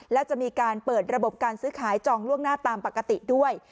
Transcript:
และจะมีการเปิดระบบการซื้อขายจองล่วงหน้าตามปกติด้วย